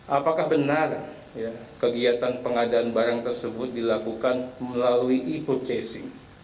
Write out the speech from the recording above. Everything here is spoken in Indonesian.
apakah benar kegiatan pengadaan barang tersebut dilakukan melalui ipotasing